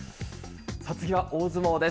次は大相撲です。